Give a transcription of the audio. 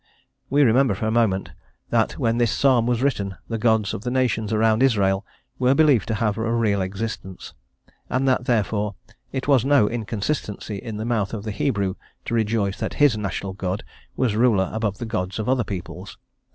We remember for a moment that when this psalm was written the gods of the nations around Israel were believed to have a real existence, and that, therefore, it was no inconsistency in the mouth of the Hebrew to rejoice that his national god was ruler above the gods of other peoples.